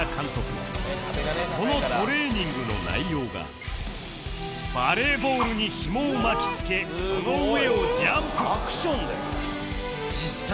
そのトレーニングの内容がバレーボールにひもを巻き付けその上をジャンプ